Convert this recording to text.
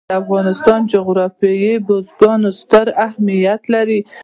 د افغانستان جغرافیه کې بزګان ستر اهمیت لري.